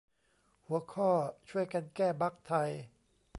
หัวข้อ ช่วยกันแก้บั๊กไทย